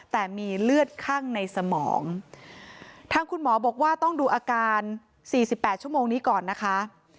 แต่มีเลือดคั่งในสมองทางคุณหมอบอกว่าต้องดูอาการสี่สิบแปดชั่วโมงนี้ก่อนนะคะ